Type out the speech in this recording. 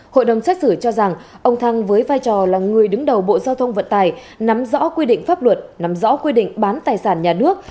hội đồng xét xử cho rằng ông thăng với vai trò là người đứng đầu bộ giao thông vận tài nắm rõ quy định pháp luật nắm rõ quy định bán tài sản nhà nước